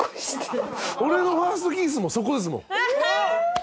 俺のファーストキスもそこですもん。